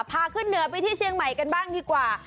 พาขึ้นเหนือไปที่เชียงใหม่กันบ้างดีกว่า